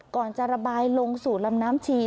ก่อนจะระบายลงสู่ลำน้ำชี